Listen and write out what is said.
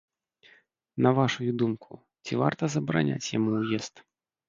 На вашую думку, ці варта забараняць яму ўезд?